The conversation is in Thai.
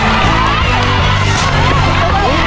ภายในเวลา๓นาที